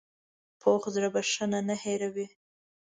پوخ زړه بښنه نه هېروي